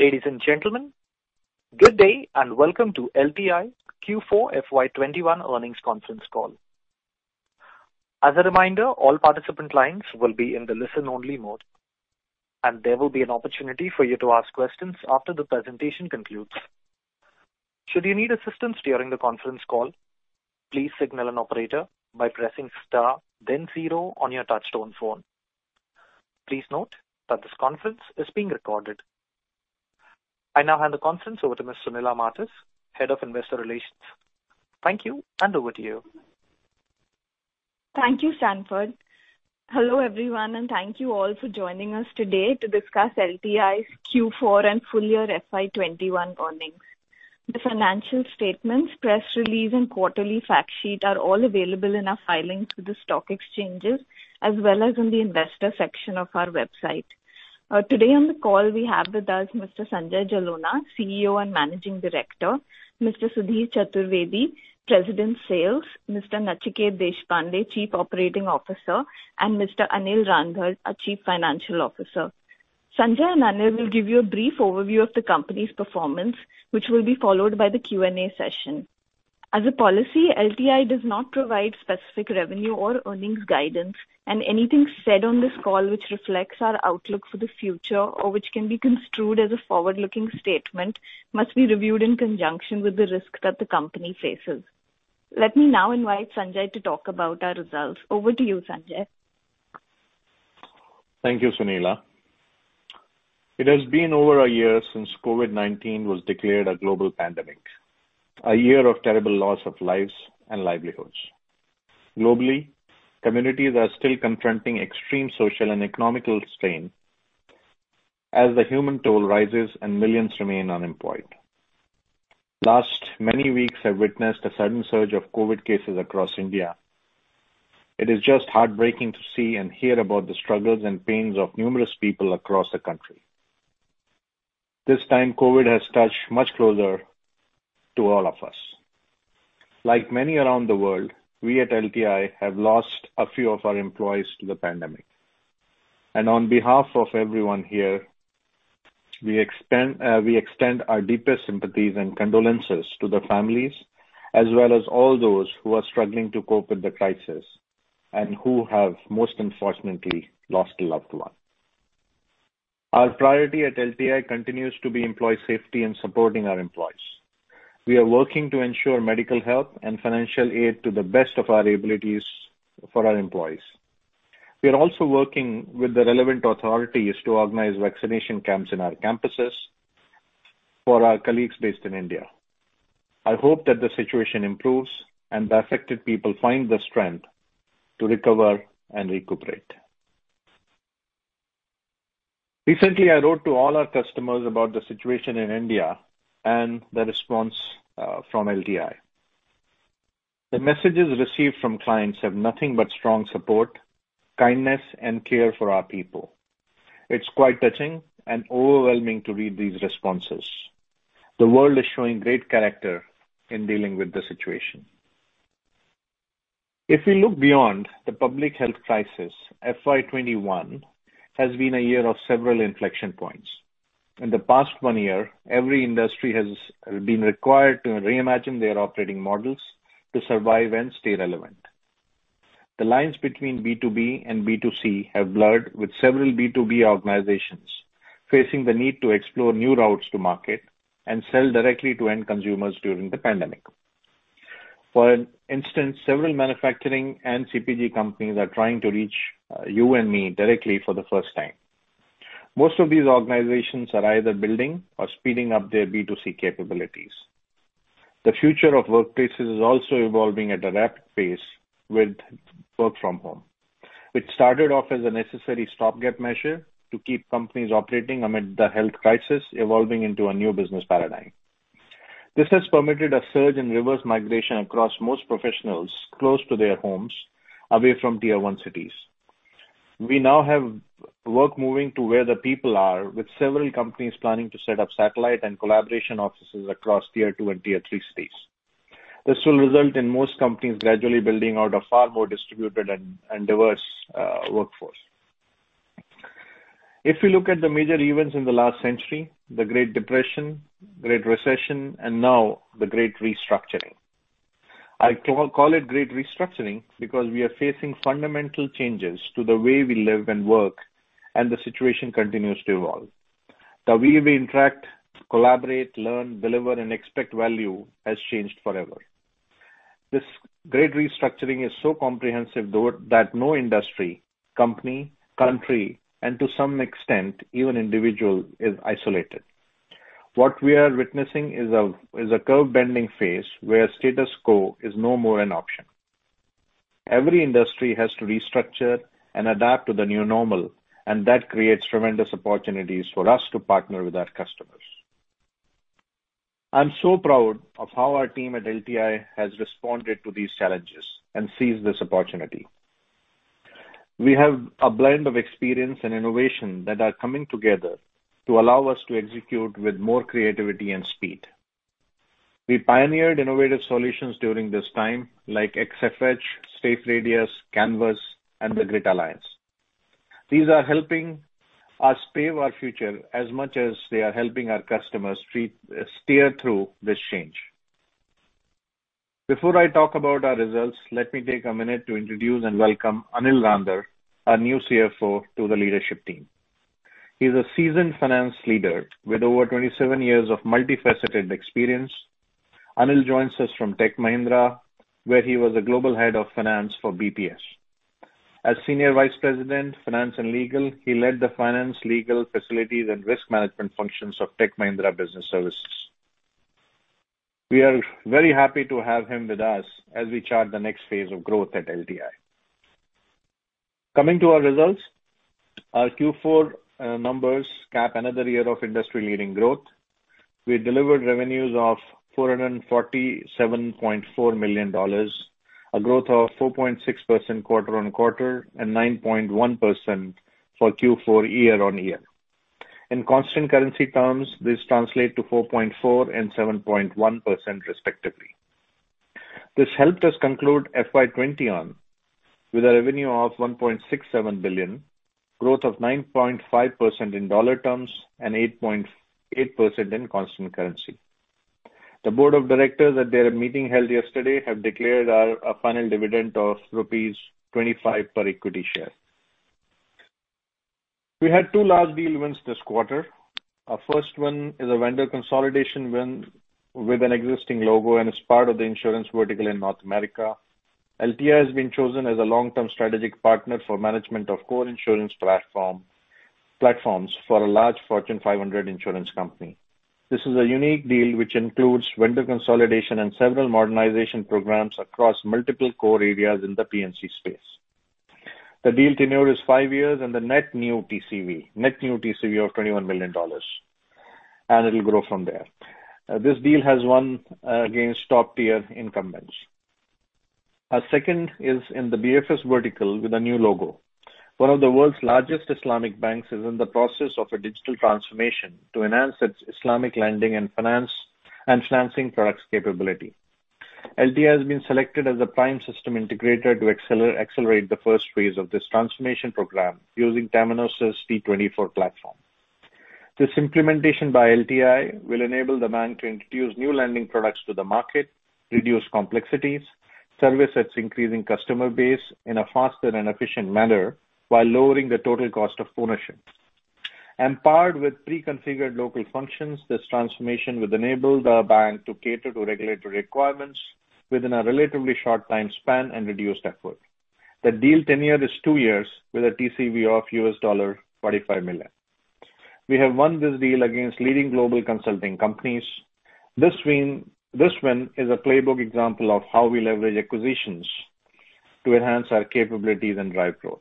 Ladies and gentlemen, good day and welcome to LTI Q4 FY21 earnings conference call. As a reminder, all participant lines will be in the listen-only mode, and there will be an opportunity for you to ask questions after the presentation concludes. Should you need assistance during the conference call, please signal an operator by pressing star then zero on your touch-tone phone. Please note that this conference is being recorded. I now hand the conference over to Ms. Sunila Martis, Head of Investor Relations. Thank you, and over to you. Thank you, Sanford. Hello, everyone, and thank you all for joining us today to discuss LTI's Q4 and full year FY21 earnings. The financial statements, press release, and quarterly fact sheet are all available in our filings with the stock exchanges as well as in the investor section of our website. Today on the call, we have with us Mr. Sanjay Jalona, CEO and Managing Director, Mr. Sudhir Chaturvedi, President, Sales, Mr. Nachiket Deshpande, Chief Operating Officer, and Mr. Anil Rander, our Chief Financial Officer. Sanjay and Anil will give you a brief overview of the company's performance, which will be followed by the Q&A session. As a policy, LTI does not provide specific revenue or earnings guidance, and anything said on this call which reflects our outlook for the future or which can be construed as a forward-looking statement must be reviewed in conjunction with the risk that the company faces. Let me now invite Sanjay to talk about our results. Over to you, Sanjay. Thank you, Sunila. It has been over a year since COVID-19 was declared a global pandemic. A year of terrible loss of lives and livelihoods. Globally, communities are still confronting extreme social and economic strain as the human toll rises and millions remain unemployed. Last many weeks have witnessed a sudden surge of COVID cases across India. It is just heartbreaking to see and hear about the struggles and pains of numerous people across the country. This time, COVID has touched much closer to all of us. Like many around the world, we at LTI have lost a few of our employees to the pandemic. On behalf of everyone here, we extend our deepest sympathies and condolences to the families as well as all those who are struggling to cope with the crisis and who have, most unfortunately, lost a loved one. Our priority at LTI continues to be employee safety and supporting our employees. We are working to ensure medical help and financial aid to the best of our abilities for our employees. We are also working with the relevant authorities to organize vaccination camps in our campuses for our colleagues based in India. I hope that the situation improves and the affected people find the strength to recover and recuperate. Recently, I wrote to all our customers about the situation in India and the response from LTI. The messages received from clients have nothing but strong support, kindness, and care for our people. It's quite touching and overwhelming to read these responses. The world is showing great character in dealing with the situation. If we look beyond the public health crisis, FY21 has been a year of several inflection points. In the past one year, every industry has been required to reimagine their operating models to survive and stay relevant. The lines between B2B and B2C have blurred with several B2B organizations facing the need to explore new routes to market and sell directly to end consumers during the pandemic. For instance, several manufacturing and CPG companies are trying to reach you and me directly for the first time. Most of these organizations are either building or speeding up their B2C capabilities. The future of workplaces is also evolving at a rapid pace with work from home, which started off as a necessary stopgap measure to keep companies operating amid the health crisis evolving into a new business paradigm. This has permitted a surge in reverse migration across most professionals close to their homes, away from Tier 1 cities. We now have work moving to where the people are, with several companies planning to set up satellite and collaboration offices across Tier 2 and Tier 3 cities. This will result in most companies gradually building out a far more distributed and diverse workforce. If you look at the major events in the last century, the Great Depression, Great Recession, and now the Great Restructuring. I call it Great Restructuring because we are facing fundamental changes to the way we live and work, and the situation continues to evolve. The way we interact, collaborate, learn, deliver, and expect value has changed forever. This Great Restructuring is so comprehensive that no industry, company, country, and to some extent, even individual, is isolated. What we are witnessing is a curve-bending phase where status quo is no more an option. Every industry has to restructure and adapt to the new normal, and that creates tremendous opportunities for us to partner with our customers. I'm so proud of how our team at LTI has responded to these challenges and seized this opportunity. We have a blend of experience and innovation that are coming together to allow us to execute with more creativity and speed. We pioneered innovative solutions during this time, like XFH, SafeRadius, Canvas, and the Grid Alliance. These are helping us pave our future as much as they are helping our customers steer through this change. Before I talk about our results, let me take a minute to introduce and welcome Anil Rander, our new CFO, to the leadership team. He's a seasoned finance leader with over 27 years of multifaceted experience. Anil joins us from Tech Mahindra, where he was a global head of finance for BPS. As senior vice president, finance and legal, he led the finance, legal, facilities, and risk management functions of Tech Mahindra Business Services. We are very happy to have him with us as we chart the next phase of growth at LTI. Coming to our results, our Q4 numbers cap another year of industry-leading growth. We delivered revenues of $447.4 million, a growth of 4.6% quarter-on-quarter and 9.1% for Q4 year-on-year. In constant currency terms, this translates to 4.4% and 7.1% respectively. This helped us conclude FY20 on with a revenue of $1.67 billion, growth of 9.5% in dollar terms and 8.8% in constant currency. The board of directors at their meeting held yesterday have declared our final dividend of rupees 25 per equity share. We had two large deal wins this quarter. Our first one is a vendor consolidation win with an existing logo and is part of the insurance vertical in North America. LTI has been chosen as a long-term strategic partner for management of core insurance platforms for a large Fortune 500 insurance company. This is a unique deal which includes vendor consolidation and several modernization programs across multiple core areas in the P&C space. The deal tenure is five years and the net new TCV of $21 million, and it'll grow from there. This deal has won against top-tier incumbents. Our second is in the BFS vertical with a new logo. One of the world's largest Islamic banks is in the process of a digital transformation to enhance its Islamic lending and financing products capability. LTI has been selected as a prime system integrator to accelerate the first phase of this transformation program using Temenos T24 platform. This implementation by LTI will enable the bank to introduce new lending products to the market, reduce complexities, service its increasing customer base in a faster and efficient manner while lowering the total cost of ownership. Paired with pre-configured local functions, this transformation will enable the bank to cater to regulatory requirements within a relatively short time span and reduced effort. The deal tenure is two years with a TCV of $45 million. We have won this deal against leading global consulting companies. This win is a playbook example of how we leverage acquisitions to enhance our capabilities and drive growth.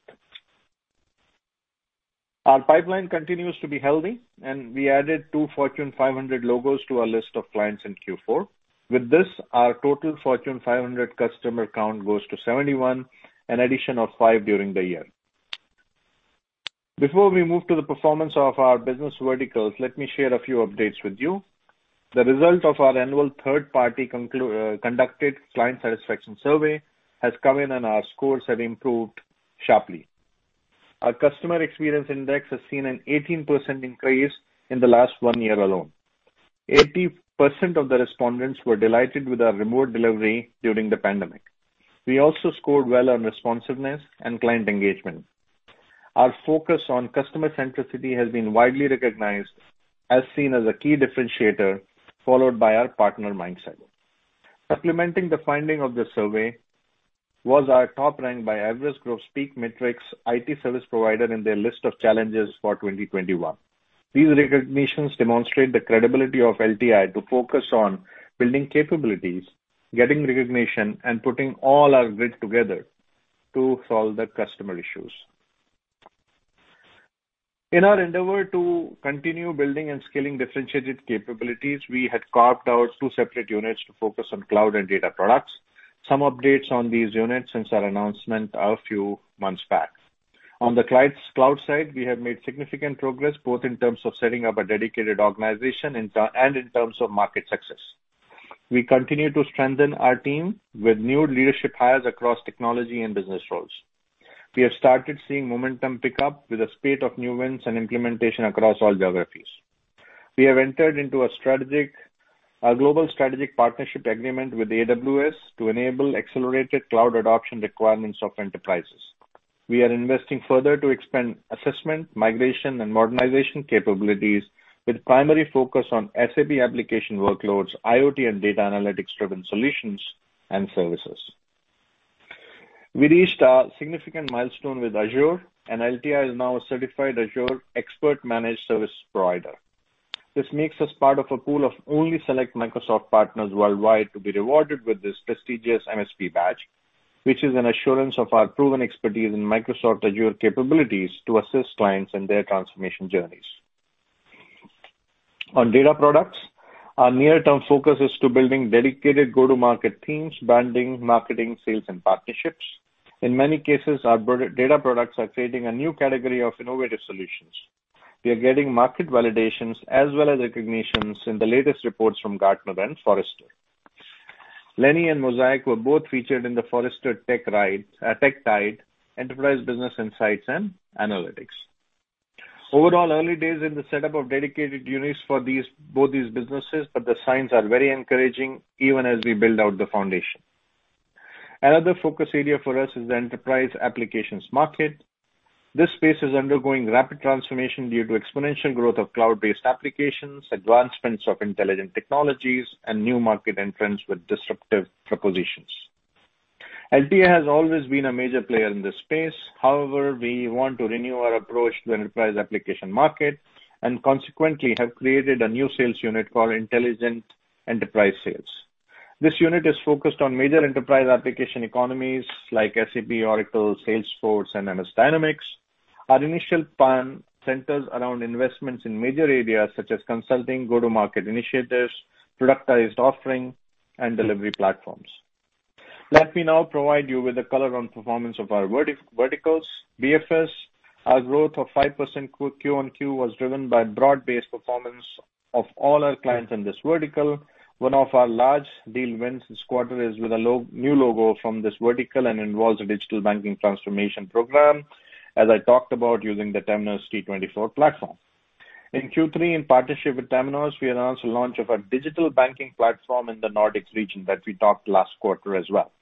Our pipeline continues to be healthy, and we added two Fortune 500 logos to our list of clients in Q4. With this, our total Fortune 500 customer count goes to 71, an addition of five during the year. Before we move to the performance of our business verticals, let me share a few updates with you. The result of our annual third-party conducted client satisfaction survey has come in, and our scores have improved sharply. Our customer experience index has seen an 18% increase in the last one year alone. 80% of the respondents were delighted with our remote delivery during the pandemic. We also scored well on responsiveness and client engagement. Our focus on customer centricity has been widely recognized as seen as a key differentiator, followed by our partner mindset. Supplementing the finding of the survey was our top rank by Everest Group PEAK Matrix IT service provider in their list of challenges for 2021. These recognitions demonstrate the credibility of LTI to focus on building capabilities, getting recognition, and putting all our grit together to solve the customer issues. In our endeavor to continue building and scaling differentiated capabilities, we had carved out two separate units to focus on cloud and data products. Some updates on these units since our announcement a few months back. On the cloud side, we have made significant progress, both in terms of setting up a dedicated organization and in terms of market success. We continue to strengthen our team with new leadership hires across technology and business roles. We have started seeing momentum pick up with a spate of new wins and implementation across all geographies. We have entered into a global strategic partnership agreement with AWS to enable accelerated cloud adoption requirements of enterprises. We are investing further to expand assessment, migration, and modernization capabilities with primary focus on SAP application workloads, IoT, and data analytics-driven solutions and services. We reached a significant milestone with Azure. LTI is now a certified Azure Expert Managed Service Provider. This makes us part of a pool of only select Microsoft partners worldwide to be rewarded with this prestigious MSP badge, which is an assurance of our proven expertise in Microsoft Azure capabilities to assist clients in their transformation journeys. On data products, our near-term focus is to building dedicated go-to-market teams, branding, marketing, sales, and partnerships. In many cases, our data products are creating a new category of innovative solutions. We are getting market validations as well as recognitions in the latest reports from Gartner and Forrester. Leni and Mosaic were both featured in the Forrester Tech Tide, Enterprise Business Insights and Analytics. Overall, early days in the setup of dedicated units for both these businesses. The signs are very encouraging even as we build out the foundation. Another focus area for us is the enterprise applications market. This space is undergoing rapid transformation due to exponential growth of cloud-based applications, advancements of intelligent technologies, and new market entrants with disruptive propositions. LTI has always been a major player in this space. However, we want to renew our approach to enterprise application market and consequently have created a new sales unit called Intelligent Enterprise Sales. This unit is focused on major enterprise application economies like SAP, Oracle, Salesforce, and MS Dynamics. Our initial plan centers around investments in major areas such as consulting, go-to-market initiatives, productized offering, and delivery platforms. Let me now provide you with the color on performance of our verticals. BFS, our growth of 5% Q-on-Q was driven by broad-based performance of all our clients in this vertical. One of our large deal wins this quarter is with a new logo from this vertical and involves a digital banking transformation program, as I talked about using the Temenos T24 platform. In Q3, in partnership with Temenos, we announced the launch of our digital banking platform in the Nordic region that we talked last quarter as well.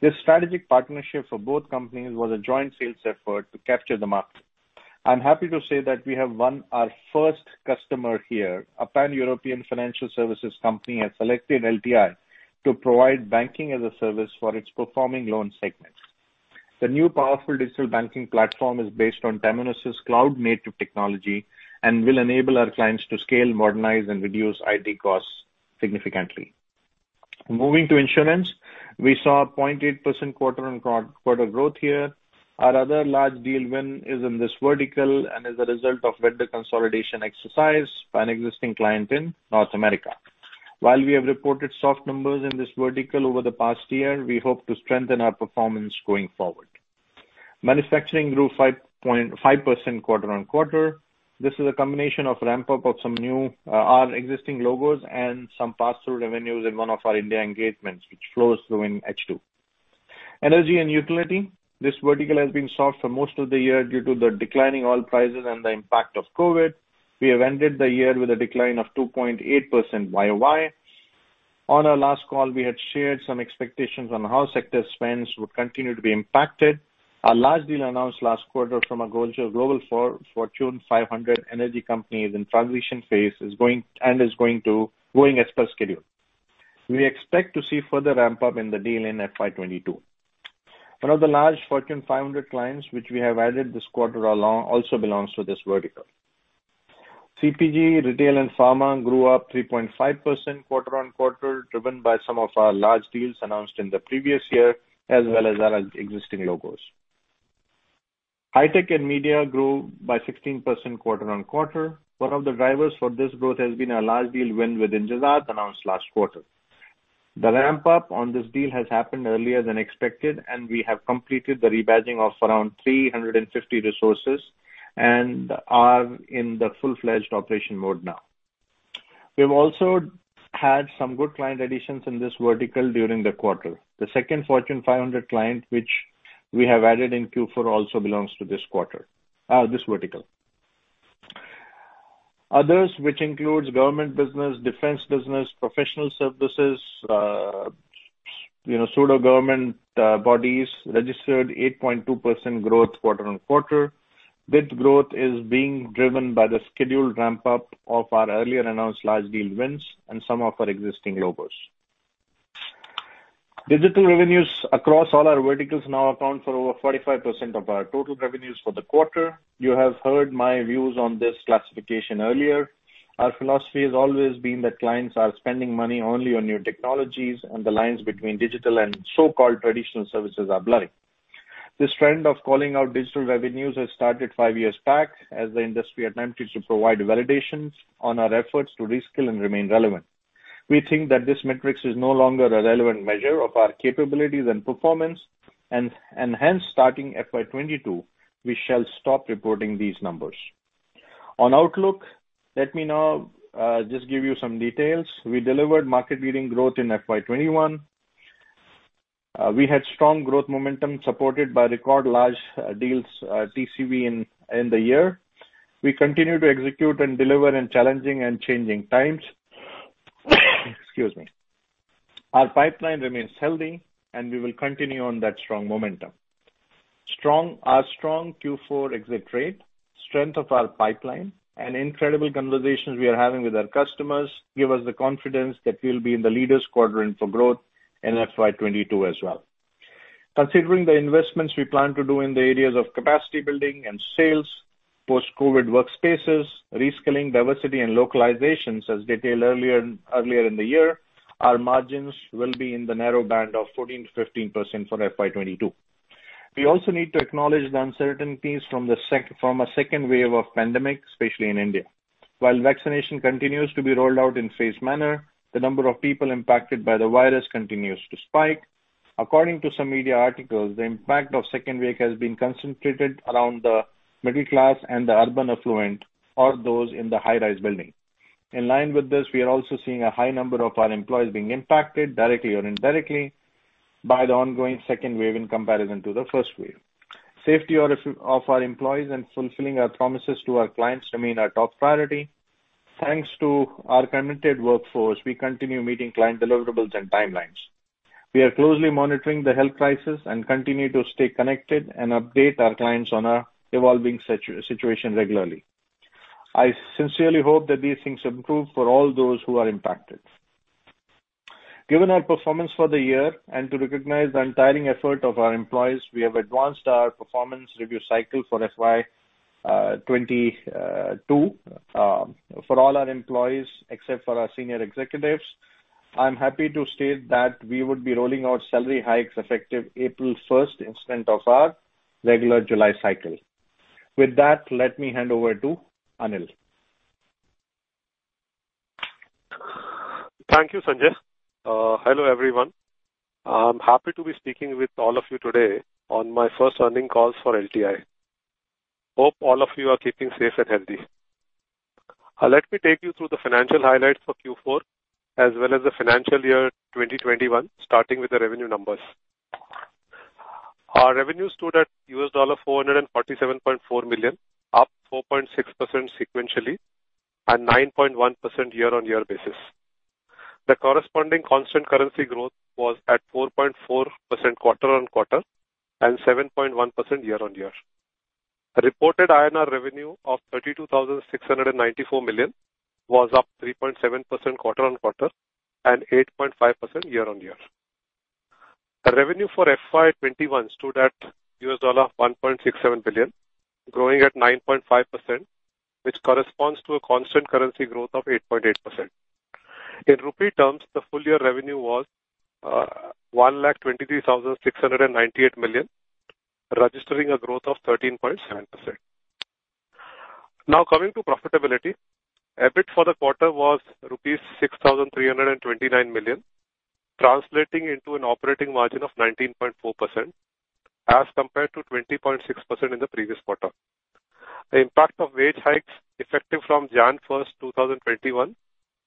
This strategic partnership for both companies was a joint sales effort to capture the market. I'm happy to say that we have won our first customer here. A pan-European financial services company has selected LTI to provide banking as a service for its performing loan segments. The new powerful digital banking platform is based on Temenos' cloud-native technology and will enable our clients to scale, modernize, and reduce IT costs significantly. Moving to insurance, we saw a 0.8% quarter-on-quarter growth here. Our other large deal win is in this vertical and is a result of vendor consolidation exercise by an existing client in North America. While we have reported soft numbers in this vertical over the past year, we hope to strengthen our performance going forward. Manufacturing grew 5.5% quarter-on-quarter. This is a combination of ramp-up of our existing logos and some pass-through revenues in one of our India engagements, which flows through in H2. Energy and utility. This vertical has been soft for most of the year due to the declining oil prices and the impact of COVID-19. We have ended the year with a decline of 2.8% Y-on-Y. On our last call, we had shared some expectations on how sector spends would continue to be impacted. Our large deal announced last quarter from a global Fortune 500 energy company in transition phase and is going as per schedule. We expect to see further ramp-up in the deal in FY22. One of the large Fortune 500 clients which we have added this quarter also belongs to this vertical. CPG, retail, and pharma grew up 3.5% quarter-on-quarter, driven by some of our large deals announced in the previous year, as well as our existing logos. High tech and media grew by 16% quarter-on-quarter. One of the drivers for this growth has been a large deal win with Injazat announced last quarter. The ramp-up on this deal has happened earlier than expected, and we have completed the rebadging of around 350 resources and are in the full-fledged operation mode now. We've also had some good client additions in this vertical during the quarter. The second Fortune 500 client which we have added in Q4 also belongs to this vertical. Others, which includes government business, defense business, professional services, pseudo-government bodies, registered 8.2% growth quarter on quarter. This growth is being driven by the scheduled ramp-up of our earlier announced large deal wins and some of our existing logos. Digital revenues across all our verticals now account for over 45% of our total revenues for the quarter. You have heard my views on this classification earlier. Our philosophy has always been that clients are spending money only on new technologies, and the lines between digital and so-called traditional services are blurring. This trend of calling out digital revenues has started five years back as the industry attempted to provide validations on our efforts to reskill and remain relevant. We think that this matrix is no longer a relevant measure of our capabilities and performance. Hence, starting FY22, we shall stop reporting these numbers. On outlook, let me now just give you some details. We delivered market-leading growth in FY21. We had strong growth momentum supported by record large deals TCV in the year. We continue to execute and deliver in challenging and changing times. Excuse me. Our pipeline remains healthy. We will continue on that strong momentum. Our strong Q4 exit rate, strength of our pipeline, and incredible conversations we are having with our customers give us the confidence that we'll be in the leaders quadrant for growth in FY22 as well. Considering the investments we plan to do in the areas of capacity building and sales, post-COVID workspaces, reskilling, diversity, and localizations as detailed earlier in the year, our margins will be in the narrow band of 14%-15% for FY22. We also need to acknowledge the uncertainties from a second wave of pandemic, especially in India. While vaccination continues to be rolled out in phased manner, the number of people impacted by the virus continues to spike. According to some media articles, the impact of second wave has been concentrated around the middle class and the urban affluent or those in the high-rise buildings. In line with this, we are also seeing a high number of our employees being impacted directly or indirectly by the ongoing second wave in comparison to the first wave. Safety of our employees and fulfilling our promises to our clients remain our top priority. Thanks to our committed workforce, we continue meeting client deliverables and timelines. We are closely monitoring the health crisis and continue to stay connected and update our clients on our evolving situation regularly. I sincerely hope that these things improve for all those who are impacted. Given our performance for the year and to recognize the untiring effort of our employees, we have advanced our performance review cycle for FY22 for all our employees except for our senior executives. I'm happy to state that we would be rolling out salary hikes effective April 1st instead of our regular July cycle. With that, let me hand over to Anil. Thank you, Sanjay. Hello, everyone. I am happy to be speaking with all of you today on my first earning call for LTI. Hope all of you are keeping safe and healthy. Let me take you through the financial highlights for Q4 as well as the financial year 2021, starting with the revenue numbers. Our revenue stood at $447.4 million, up 4.6% sequentially and 9.1% year-on-year basis. The corresponding constant currency growth was at 4.4% quarter-on-quarter and 7.1% year-on-year. Reported INR revenue of 32,694 million was up 3.7% quarter-on-quarter and 8.5% year-on-year. Revenue for FY21 stood at $1.67 billion, growing at 9.5%, which corresponds to a constant currency growth of 8.8%. In rupee terms, the full-year revenue was 123,698 million, registering a growth of 13.7%. Now coming to profitability. EBIT for the quarter was rupees 6,329 million, translating into an operating margin of 19.4% as compared to 20.6% in the previous quarter. The impact of wage hikes effective from January 1st, 2021,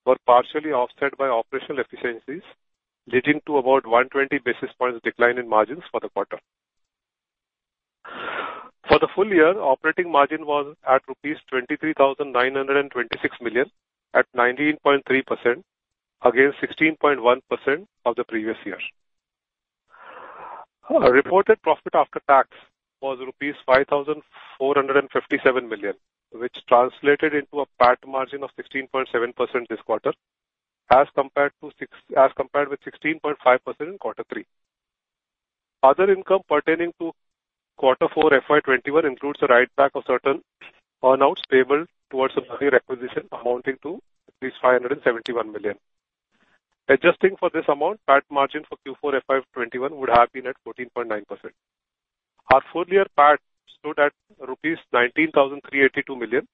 were partially offset by operational efficiencies, leading to about 120 basis points decline in margins for the quarter. For the full year, operating margin was at rupees 23,926 million at 19.3%, against 16.1% of the previous year. Reported profit after tax was rupees 5,457 million, which translated into a PAT margin of 16.7% this quarter as compared with 16.5% in quarter three. Other income pertaining to quarter four FY21 includes a write-back of certain earnouts payable towards [a money requisition] amounting to at least 571 million. Adjusting for this amount, PAT margin for Q4 FY21 would have been at 14.9%. Our full-year PAT stood at rupees 19,382 million,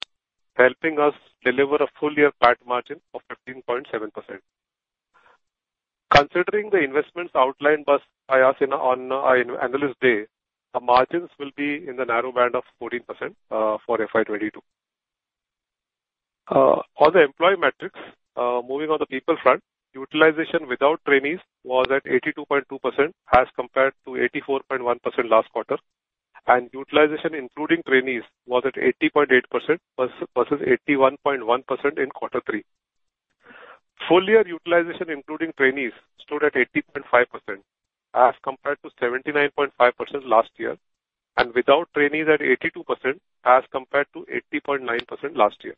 helping us deliver a full-year PAT margin of 15.7%. Considering the investments outlined by us on our Analyst Day, our margins will be in the narrow band of 14% for FY22. On the employee metrics, moving on the people front, utilization without trainees was at 82.2% as compared to 84.1% last quarter, and utilization including trainees was at 80.8% versus 81.1% in quarter three. Full-year utilization including trainees stood at 80.5% as compared to 79.5% last year, and without trainees at 82% as compared to 80.9% last year.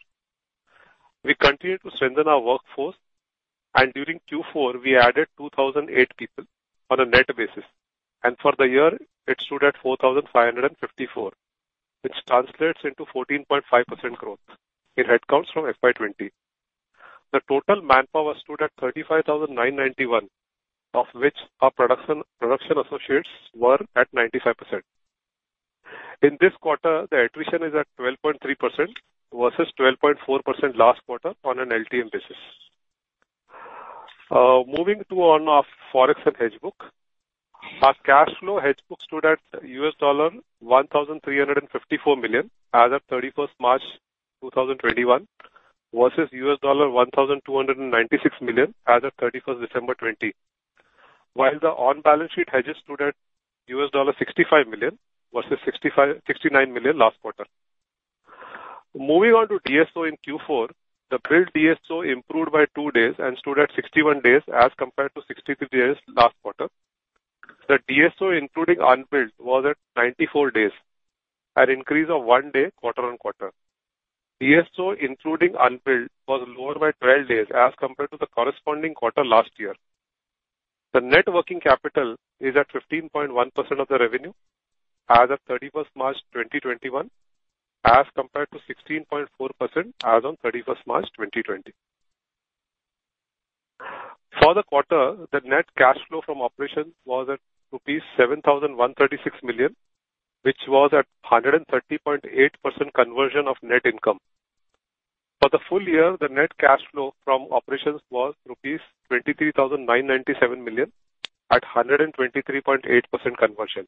We continue to strengthen our workforce, and during Q4, we added 2,008 people on a net basis, and for the year, it stood at 4,554, which translates into 14.5% growth in headcounts from FY20. The total manpower stood at 35,991, of which our production associates were at 95%. In this quarter, the attrition is at 12.3% versus 12.4% last quarter on an LTM basis. Moving to on our Forex and hedge book. Our cash flow hedge book stood at US$1,354 million as of 31st March 2021, versus $1,296 million as of 31st December 2020. While the on-balance sheet hedges stood at $65 million versus $69 million last quarter. Moving on to DSO in Q4, the billed DSO improved by two days and stood at 61 days as compared to 63 days last quarter. The DSO including unbilled was at 94 days, an increase of one day quarter-on-quarter. DSO including unbilled was lower by 12 days as compared to the corresponding quarter last year. The net working capital is at 15.1% of the revenue as of 31st March 2021 as compared to 16.4% as on 31st March 2020. For the quarter, the net cash flow from operations was at rupees 7,136 million, which was at 130.8% conversion of net income. For the full year, the net cash flow from operations was INR 23,997 million at 123.8% conversion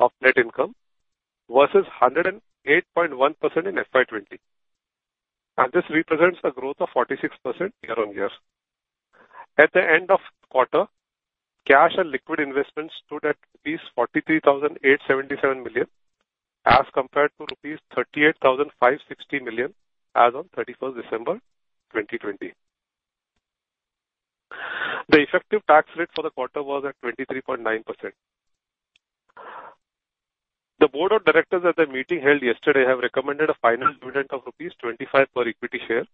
of net income versus 108.1% in FY20. This represents a growth of 46% year-over-year. At the end of quarter, cash and liquid investments stood at rupees 43,877 million as compared to rupees 38,560 million as on 31st December 2020. The effective tax rate for the quarter was at 23.9%. The board of directors at their meeting held yesterday, have recommended a final dividend of rupees 25 per equity share.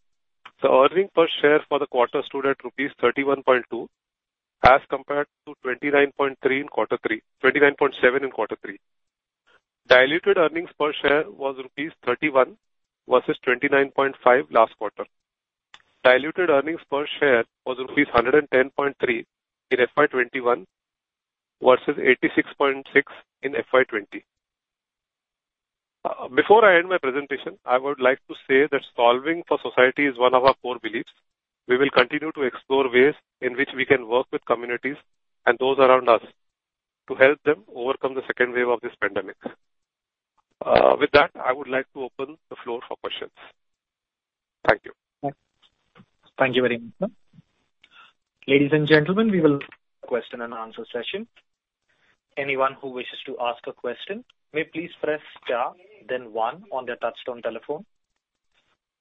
The earning per share for the quarter stood at rupees 31.2 as compared to 29.7 in quarter 3. Diluted earnings per share was rupees 31 versus 29.5 last quarter. Diluted earnings per share was rupees 110.3 in FY21 versus 86.6 in FY20. Before I end my presentation, I would like to say that solving for society is one of our core beliefs. We will continue to explore ways in which we can work with communities and those around us to help them overcome the second wave of this pandemic. With that, I would like to open the floor for questions. Thank you. Thank you very much, sir. Ladies and gentlemen, we will begin the question and answer session. Anyone who wishes to ask a question may please press star then one on their touchtone telephone.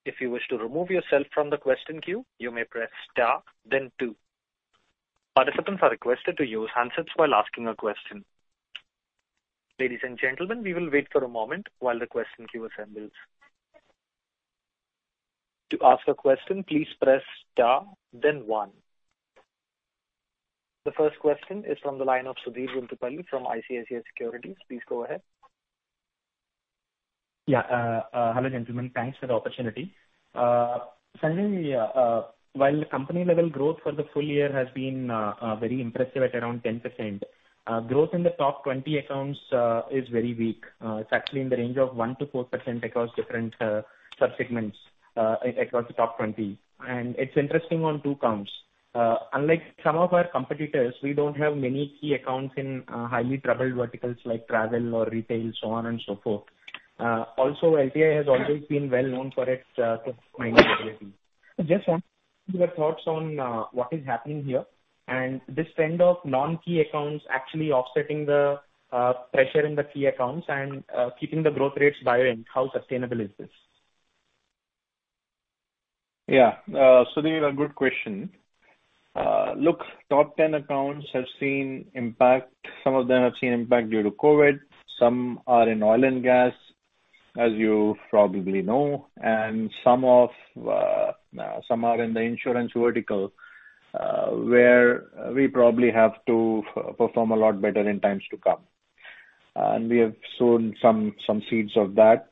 If you wish to remove yourself from the question queue, you may press star then two. Participants are requested to use handsets while asking a question. Ladies and gentlemen, we will wait for a moment while the question queue assembles. To ask a question, please press star then one. The first question is from the line of Sudheer Guntupalli from ICICI Securities. Please go ahead. Yeah. Hello, gentlemen. Thanks for the opportunity. Sanjay, while the company level growth for the full year has been very impressive at around 10%, growth in the top 20 accounts is very weak. It's actually in the range of 1%-4% across different sub-segments across the top 20. It's interesting on two counts. Unlike some of our competitors, we don't have many key accounts in highly troubled verticals like travel or retail, so on and so forth. Also, LTI has always been well known for its ability. Just want your thoughts on what is happening here and this trend of non-key accounts actually offsetting the pressure in the key accounts and keeping the growth rates buoyant, how sustainable is this? Yeah. Sudheer, a good question. Look, top 10 accounts have seen impact. Some of them have seen impact due to COVID. Some are in oil and gas, as you probably know, and some are in the insurance vertical, where we probably have to perform a lot better in times to come. We have sown some seeds of that,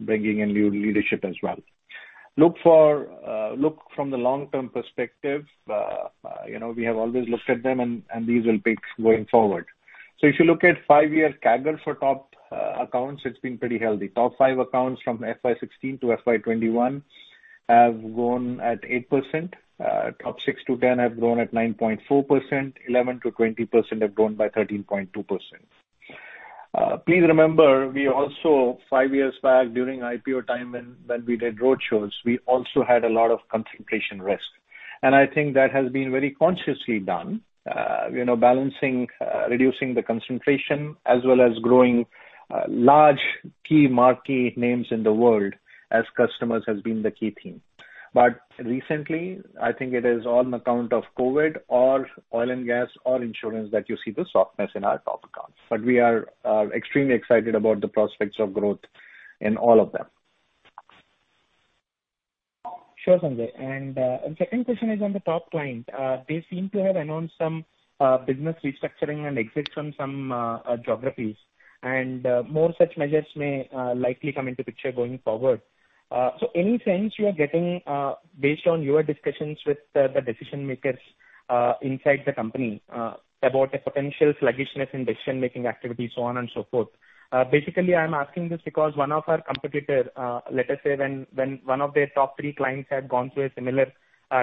bringing in new leadership as well. Look from the long-term perspective, we have always looked at them and these will peak going forward. If you look at five-year CAGR for top accounts, it's been pretty healthy. Top five accounts from FY16 to FY21 have grown at 8%. Top six to 10 have grown at 9.4%. 11 to 20% have grown by 13.2%. Please remember, we also, five years back during IPO time when we did roadshows, we also had a lot of concentration risk. I think that has been very consciously done. Reducing the concentration as well as growing large key marquee names in the world as customers has been the key theme. Recently, I think it is on account of COVID or oil and gas or insurance that you see the softness in our top accounts. We are extremely excited about the prospects of growth in all of them. Sure, Sanjay. Second question is on the top client. They seem to have announced some business restructuring and exit from some geographies and more such measures may likely come into picture going forward. Any sense you are getting, based on your discussions with the decision makers inside the company, about a potential sluggishness in decision-making activity, so on and so forth? Basically, I'm asking this because one of our competitor, let us say when one of their top three clients had gone through a similar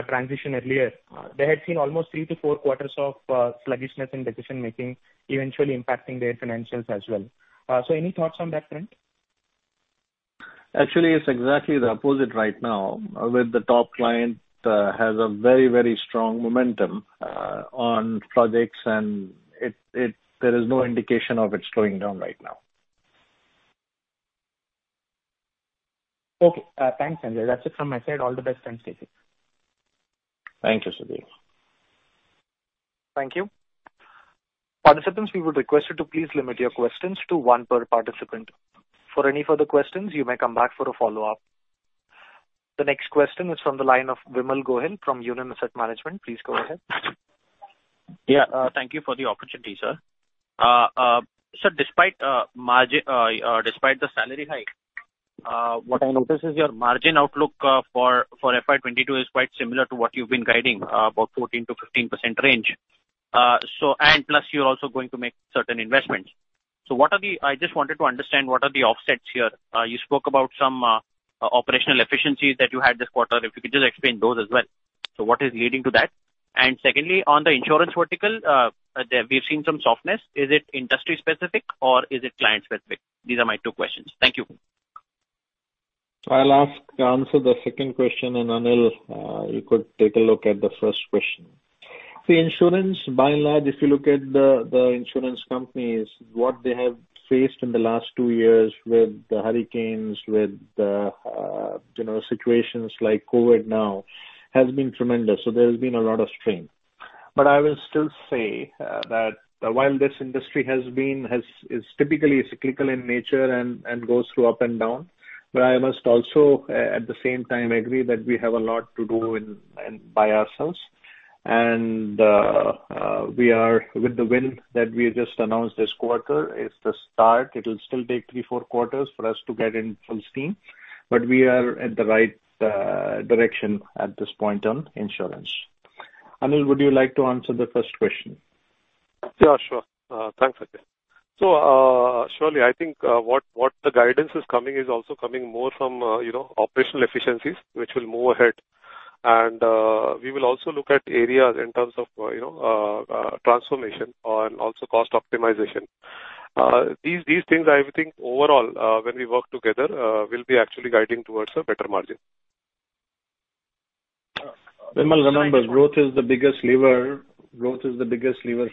transition earlier, they had seen almost three to four quarters of sluggishness in decision-making, eventually impacting their financials as well. Any thoughts on that front? Actually, it's exactly the opposite right now, with the top client has a very strong momentum on projects and there is no indication of it slowing down right now. Okay. Thanks, Sanjay. That's it from my side. All the best and take care. Thank you, Sudheer. Thank you. Participants, we would request you to please limit your questions to one per participant. For any further questions, you may come back for a follow-up. The next question is from the line of Vimal Goel from Union Asset Management. Please go ahead. Yeah. Thank you for the opportunity, sir. Sir, despite the salary hike, what I notice is your margin outlook for FY22 is quite similar to what you've been guiding, about 14%-15% range. Plus, you're also going to make certain investments. I just wanted to understand what are the offsets here. You spoke about some operational efficiencies that you had this quarter. If you could just explain those as well. What is leading to that? Secondly, on the insurance vertical, we've seen some softness. Is it industry-specific or is it client-specific? These are my two questions. Thank you. I'll ask to answer the second question. Anil, you could take a look at the first question. Insurance, by and large, if you look at the insurance companies, what they have faced in the last two years with the hurricanes, with the situations like COVID-19 now, has been tremendous. There's been a lot of strain. I will still say that while this industry is typically cyclical in nature and goes through up and down, but I must also, at the same time, agree that we have a lot to do by ourselves. With the win that we just announced this quarter is the start. It'll still take three, four quarters for us to get in full steam, but we are at the right direction at this point on insurance. Anil, would you like to answer the first question? Yeah, sure. Thanks, Sanjay. Surely I think what the guidance is coming is also coming more from operational efficiencies, which will move ahead. We will also look at areas in terms of transformation and also cost optimization. These things, I think overall when we work together will be actually guiding towards a better margin. Vimal, remember, growth is the biggest lever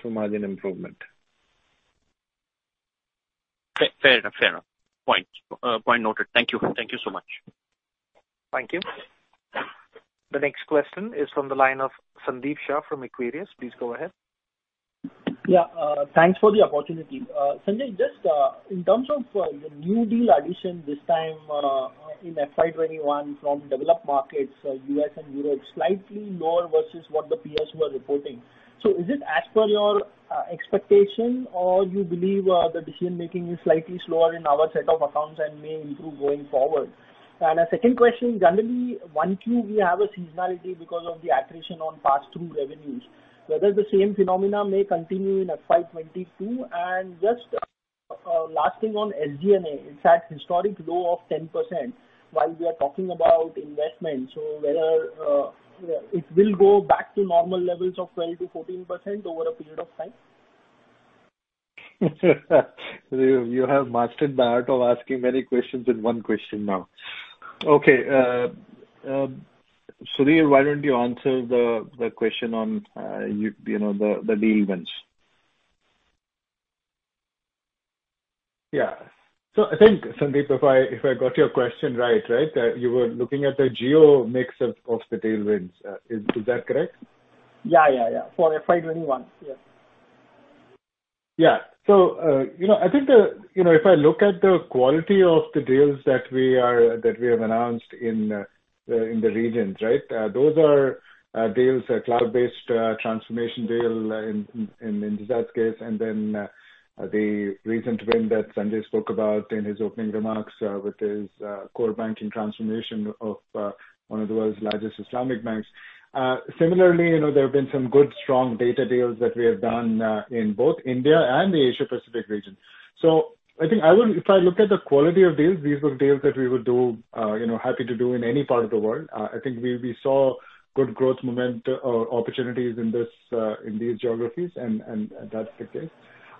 for margin improvement. Fair enough. Point noted. Thank you so much. Thank you. The next question is from the line of Sandeep Shah from Equirus. Please go ahead. Yeah. Thanks for the opportunity. Sanjay, just in terms of the new deal addition this time in FY21 from developed markets, U.S. and Europe, slightly lower versus what the peers were reporting. Is it as per your expectation or you believe the decision-making is slightly slower in our set of accounts and may improve going forward? A second question, generally, 1Q, we have a seasonality because of the accretion on pass-through revenues. Whether the same phenomena may continue in FY22 and just last thing on SG&A, it's at historic low of 10% while we are talking about investments. Whether it will go back to normal levels of 12%-14% over a period of time? You have mastered the art of asking many questions in one question now. Okay. Sudhir, why don't you answer the question on the deal wins? Yeah. I think, Sandeep, if I got your question right, you were looking at the geo-mix of the deal wins. Is that correct? Yeah. For FY21. Yes. I think if I look at the quality of the deals that we have announced in the regions, those are deals, a cloud-based transformation deal in [Dezert] case, and then the recent win that Sanjay spoke about in his opening remarks with his core banking transformation of one of the world's largest Islamic banks. Similarly, there have been some good, strong data deals that we have done in both India and the Asia Pacific region. I think if I look at the quality of deals, these were deals that we would happy to do in any part of the world. I think we saw good growth momentum or opportunities in these geographies, and that's the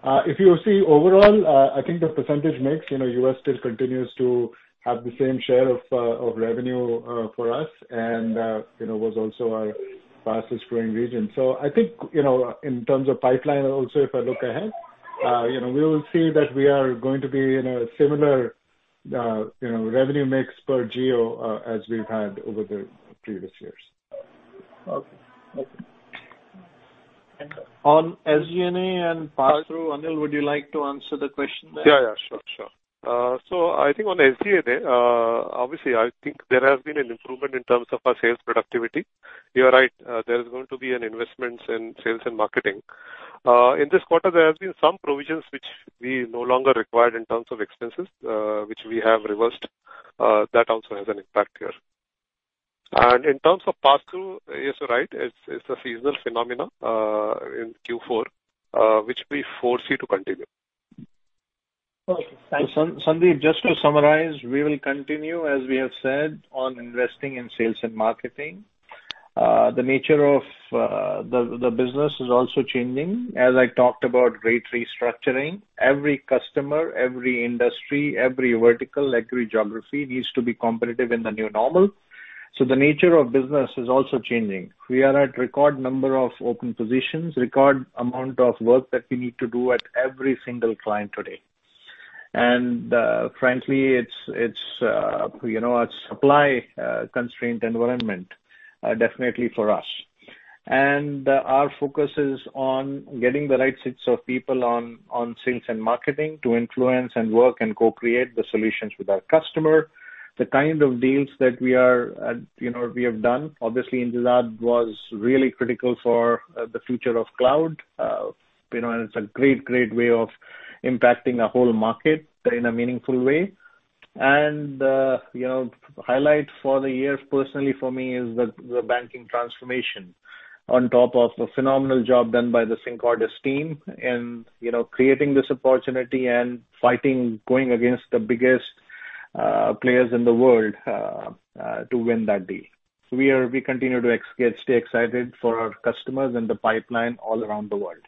case. If you see overall, I think the percentage mix, U.S. still continues to have the same share of revenue for us and was also our fastest-growing region. I think in terms of pipeline also, if I look ahead, we will see that we are going to be in a similar revenue mix per geo as we've had over the previous years. Okay. Thank you. On SG&A and pass-through, Anil, would you like to answer the question there? Yeah. Sure. I think on SG&A, obviously, I think there has been an improvement in terms of our sales productivity. You're right, there is going to be an investments in sales and marketing. In this quarter, there have been some provisions which we no longer required in terms of expenses which we have reversed. That also has an impact here. In terms of pass-through, yes, you're right. It's the seasonal phenomena in Q4 which we foresee to continue. Okay. Thank you. Sandeep, just to summarize, we will continue, as we have said, on investing in sales and marketing. The nature of the business is also changing. As I talked about great restructuring, every customer, every industry, every vertical, every geography needs to be competitive in the new normal. The nature of business is also changing. We are at record number of open positions, record amount of work that we need to do at every single client today. Frankly, it's a supply-constrained environment definitely for us. Our focus is on getting the right sets of people on sales and marketing to influence and work and co-create the solutions with our customer. The kind of deals that we have done, obviously, in [Dezert] was really critical for the future of cloud. It's a great way of impacting a whole market in a meaningful way. The highlight for the year personally for me is the banking transformation on top of a phenomenal job done by the Syncordis team in creating this opportunity and fighting, going against the biggest players in the world to win that deal. We continue to stay excited for our customers and the pipeline all around the world.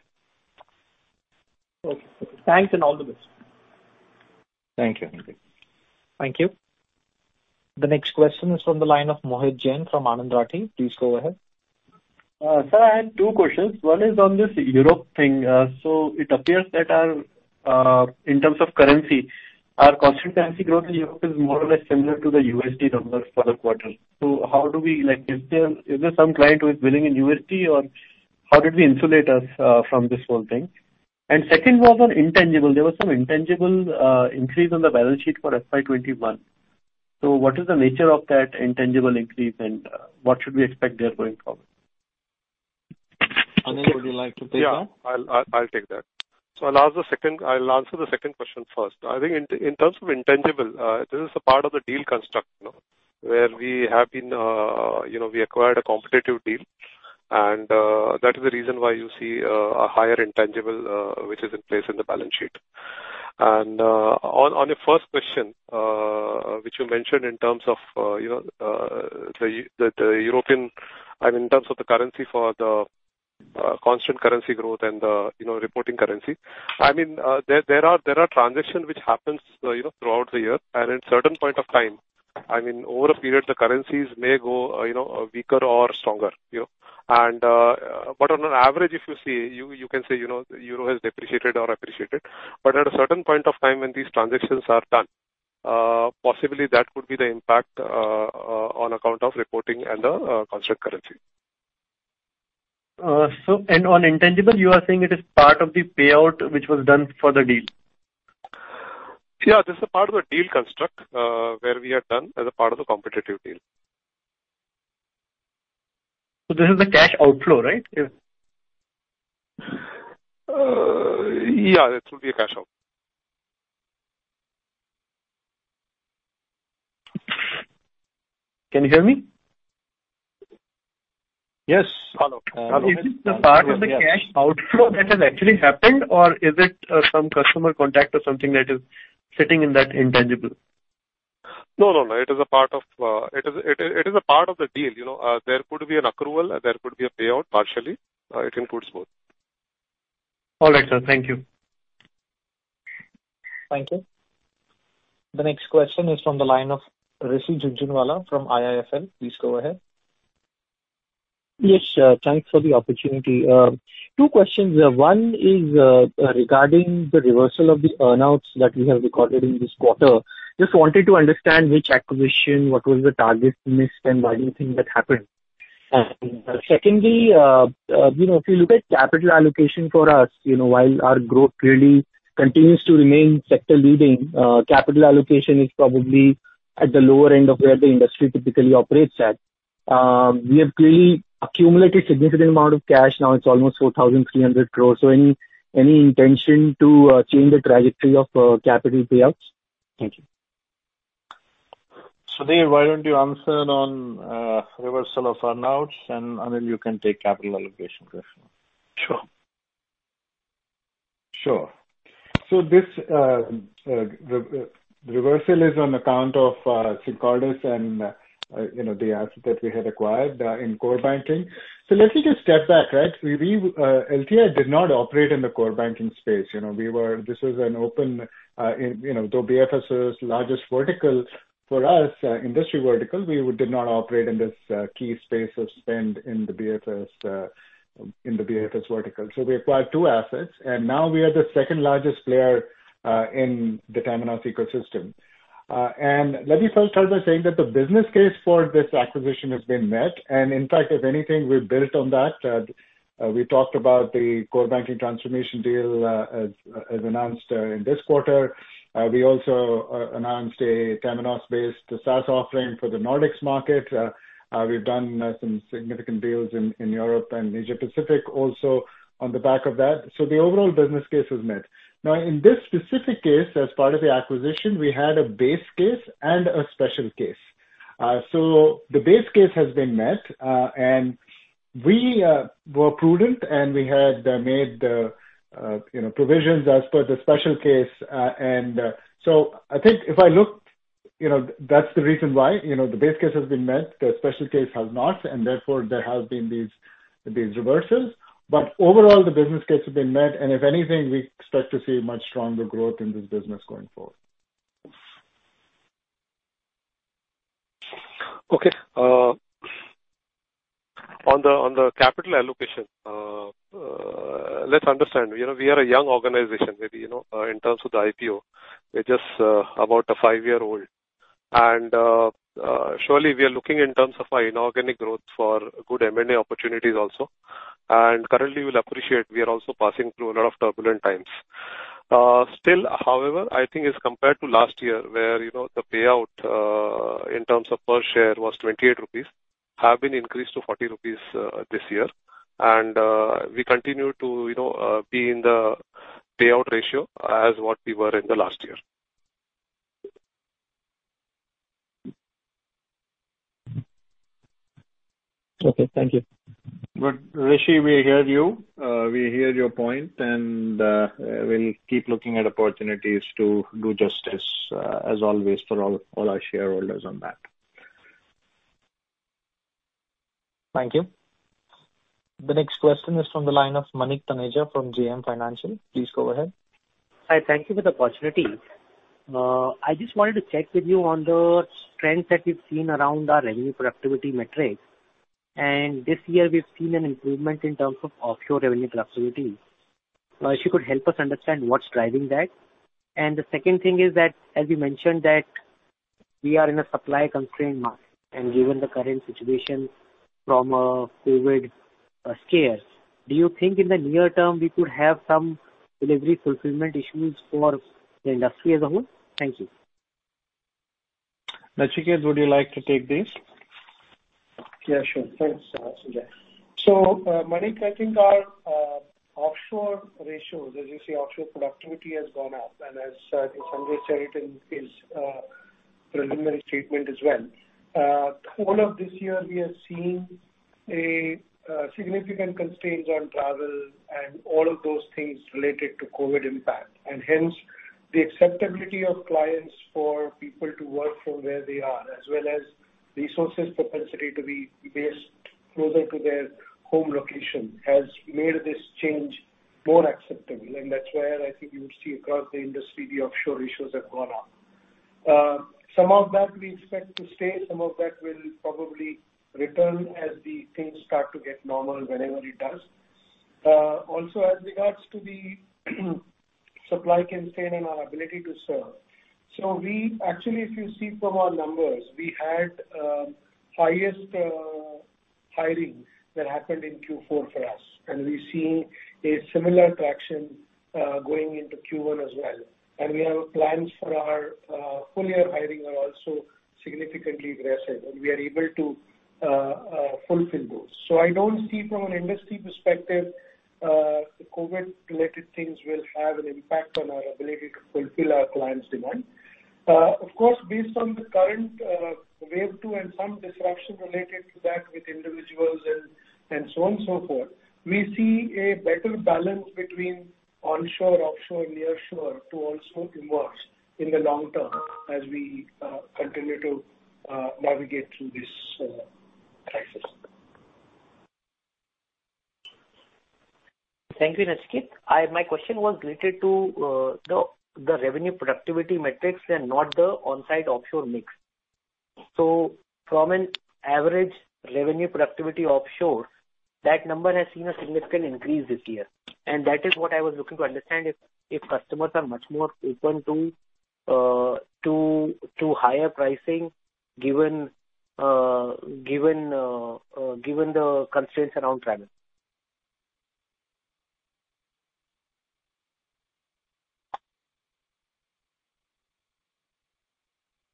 Okay. Thanks and all the best. Thank you. Thank you. The next question is from the line of Mohit Jain from Anand Rathi. Please go ahead. Sir, I have two questions. One is on this Europe thing. It appears that in terms of currency, our constant currency growth in Europe is more or less similar to the USD numbers for the quarter. Is there some client who is billing in USD, or how did we insulate us from this whole thing? Second was on intangible. There was some intangible increase on the balance sheet for FY21. What is the nature of that intangible increase, and what should we expect there going forward? Anil, would you like to take that? Yeah, I'll take that. I'll answer the second question first. I think in terms of intangible, this is a part of the deal construct now, where we acquired a competitive deal, and that is the reason why you see a higher intangible which is in place in the balance sheet. On your first question, which you mentioned in terms of the European, I mean, in terms of the currency for the constant currency growth and the reporting currency. There are transactions which happens throughout the year. In certain point of time, I mean, over a period, the currencies may go weaker or stronger. On an average, if you see, you can say Euro has depreciated or appreciated. At a certain point of time when these transactions are done, possibly that could be the impact on account of reporting and the construct currency. On intangible, you are saying it is part of the payout which was done for the deal? Yeah, this is part of the deal construct, where we had done as a part of the competitive deal. This is the cash outflow, right? Yeah, it will be a cash outflow. Can you hear me? Yes. Hello. Is this the part of the cash outflow that has actually happened, or is it some customer contact or something that is sitting in that intangible? No. It is a part of the deal. There could be an accrual, there could be a payout partially. It includes both. All right, sir. Thank you. Thank you. The next question is from the line of Rishi Jhunjhunwala from IIFL. Please go ahead. Yes. Thanks for the opportunity. Two questions. One is regarding the reversal of the earn-outs that we have recorded in this quarter. Just wanted to understand which acquisition, what was the target missed, and why do you think that happened? Secondly, if you look at capital allocation for us, while our growth really continues to remain sector leading, capital allocation is probably at the lower end of where the industry typically operates at. We have really accumulated significant amount of cash now. It's almost 4,300 crore. Any intention to change the trajectory of capital payouts? Thank you. Sudhir, why don't you answer on reversal of earn-outs, and Anil, you can take capital allocation question. Sure. Sure. This reversal is on account of Syncordis and the asset that we had acquired in core banking. Let me just step back. LTI did not operate in the core banking space. This was an open, though BFS's largest vertical for us, industry vertical, we did not operate in this key space of spend in the BFS vertical. We acquired two assets, and now we are the second-largest player in the Temenos ecosystem. Let me first start by saying that the business case for this acquisition has been met. In fact, if anything, we built on that. We talked about the core banking transformation deal as announced in this quarter. We also announced a Temenos-based SaaS offering for the Nordics market. We've done some significant deals in Europe and Asia Pacific also on the back of that. The overall business case was met. In this specific case, as part of the acquisition, we had a base case and a special case. The base case has been met, and we were prudent, and we had made provisions as per the special case. I think if I look, that's the reason why the base case has been met, the special case has not, and therefore, there have been these reversals. Overall, the business case has been met, and if anything, we expect to see much stronger growth in this business going forward. Okay. On the capital allocation, let's understand. We are a young organization, maybe in terms of the IPO. We are just about five year old. Surely, we are looking in terms of our inorganic growth for good M&A opportunities also. Currently, you will appreciate we are also passing through a lot of turbulent times. Still, however, I think as compared to last year where the payout in terms of per share was 28 rupees, have been increased to 40 rupees this year. We continue to be in the payout ratio as what we were in the last year. Okay. Thank you. Good. Rishi, we hear you. We hear your point. We'll keep looking at opportunities to do justice as always for all our shareholders on that. Thank you. The next question is from the line of Manik Taneja from JM Financial. Please go ahead. Hi. Thank you for the opportunity. I just wanted to check with you on the trends that we've seen around our revenue productivity metrics. This year we've seen an improvement in terms of offshore revenue productivity. If you could help us understand what's driving that. The second thing is that as we mentioned that we are in a supply constraint now, and given the current situation from a COVID-19 scare, do you think in the near term we could have some delivery fulfillment issues for the industry as a whole? Thank you. Nachiket, would you like to take this? Yeah, sure. Thanks, Sanjay. Manik, I think our offshore ratios, as you see, offshore productivity has gone up. As Sanjay said in his preliminary statement as well. All of this year we have seen a significant constraints on travel and all of those things related to COVID-19 impact. Hence, the acceptability of clients for people to work from where they are, as well as resources propensity to be based closer to their home location has made this change more acceptable. That's where I think you would see across the industry, the offshore ratios have gone up. Some of that we expect to stay, some of that will probably return as the things start to get normal, whenever it does. Also as regards to the supply constraint and our ability to serve. Actually, if you see from our numbers, we had highest hiring that happened in Q4 for us. We're seeing a similar traction going into Q1 as well. We have plans for our full-year hiring are also significantly aggressive, and we are able to fulfill those. I don't see from an industry perspective, the COVID-related things will have an impact on our ability to fulfill our clients' demand. Of course, based on the current wave 2 and some disruption related to that with individuals and so on and so forth, we see a better balance between onshore, offshore, and nearshore to also emerge in the long term as we continue to navigate through this crisis. Thank you, Nachiket. My question was related to the revenue productivity metrics and not the onsite-offshore mix. From an average revenue productivity offshore, that number has seen a significant increase this year. That is what I was looking to understand if customers are much more open to higher pricing given the constraints around travel.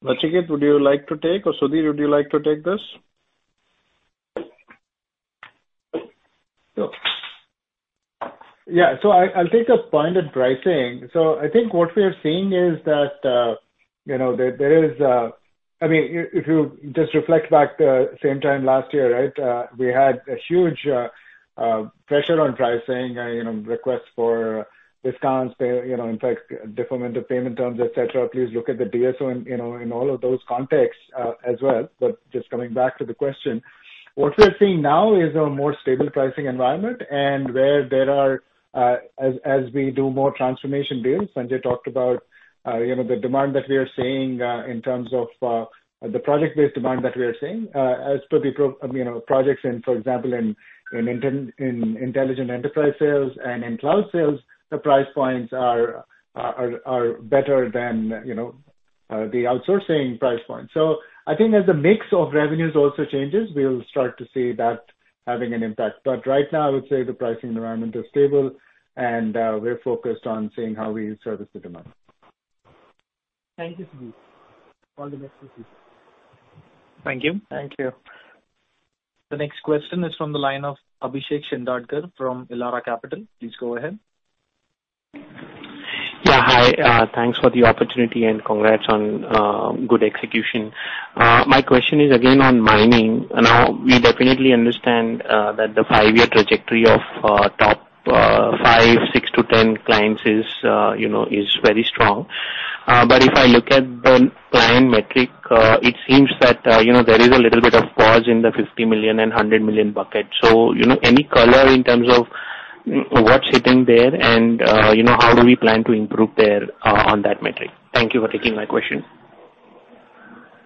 Nachiket, would you like to take or Sudhir, would you like to take this? Sure. Yeah. I'll take up point at pricing. I think what we are seeing is that if you just reflect back same time last year, right? We had a huge pressure on pricing, requests for discounts, in fact, deferment of payment terms, et cetera. Please look at the DSO in all of those contexts as well. Just coming back to the question, what we're seeing now is a more stable pricing environment and where there are, as we do more transformation deals, Sanjay talked about the demand that we are seeing in terms of the project-based demand that we are seeing. As per the projects in, for example, in Intelligent Enterprise Sales and in cloud sales, the price points are better than the outsourcing price point. I think as the mix of revenues also changes, we'll start to see that having an impact. Right now, I would say the pricing environment is stable, and we're focused on seeing how we service the demand. Thank you, Sudhir. All the best to you. Thank you. Thank you. The next question is from the line of Abhishek Shindadkar from Elara Capital. Please go ahead. Yeah. Hi. Thanks for the opportunity and congrats on good execution. My question is again on mining. We definitely understand that the five-year trajectory of top 5, 6-10 clients is very strong. If I look at the client metric, it seems that there is a little bit of pause in the $50 million and $100 million bucket. Any color in terms of what's hitting there and how do we plan to improve there on that metric? Thank you for taking my question.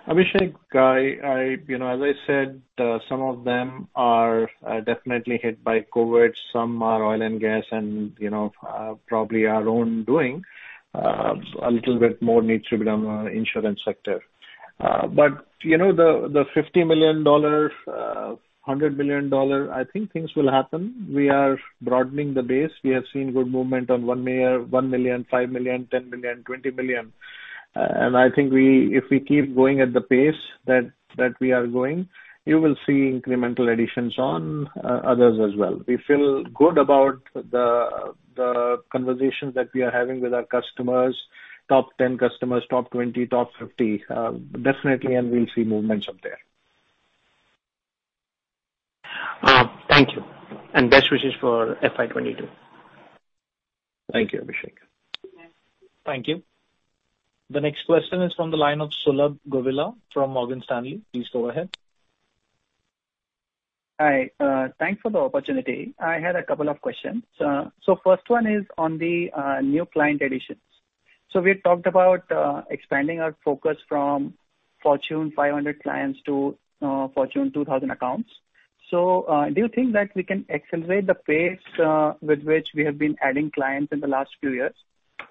Abhishek, as I said, some of them are definitely hit by COVID. Some are oil and gas and probably our own doing. A little bit more needs to be done on insurance sector. The $50 million, $100 million, I think things will happen. We are broadening the base. We have seen good movement on $1 million, $5 million, $10 million, $20 million. I think if we keep going at the pace that we are going, you will see incremental additions on others as well. We feel good about the conversations that we are having with our customers, top 10 customers, top 20, top 50, definitely, and we'll see movements up there. Thank you, and best wishes for FY22. Thank you, Abhishek. Thank you. The next question is from the line of Sulabh Govila from Morgan Stanley. Please go ahead. Hi. Thanks for the opportunity. I had a couple of questions. First one is on the new client additions. We had talked about expanding our focus from Fortune 500 to Forbes Global 2000 accounts. Do you think that we can accelerate the pace, with which we have been adding clients in the last few years,